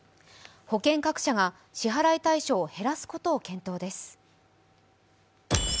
保険各社が支払い対象を減らすことを検討です。